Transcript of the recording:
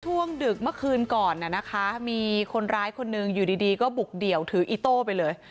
ดึกเมื่อคืนก่อนน่ะนะคะมีคนร้ายคนหนึ่งอยู่ดีก็บุกเดี่ยวถืออีโต้ไปเลย